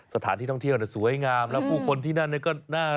สถานที่ท่องเที่ยวสวยงามแล้วผู้คนที่นั่นก็น่ารัก